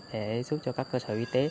để giúp cho các cơ sở y tế